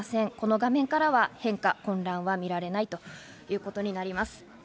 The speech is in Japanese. この画面からは変化、混乱は見られないということになります。